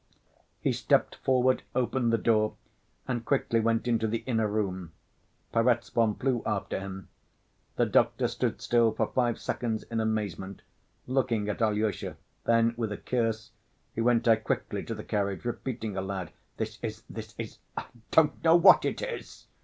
He stepped forward, opened the door, and quickly went into the inner room. Perezvon flew after him. The doctor stood still for five seconds in amazement, looking at Alyosha; then, with a curse, he went out quickly to the carriage, repeating aloud, "This is ... this is ... I don't know what it is!"